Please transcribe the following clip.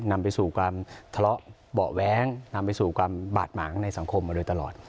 นำไปสู่ความทะเลาะเบาะแว้งนำไปสู่ความบาดหมางในสังคมมาโดยตลอด